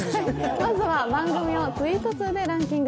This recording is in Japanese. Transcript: まずは番組をツイートの数でランキング。